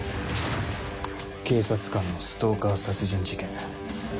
警察官のストーカー殺人事件。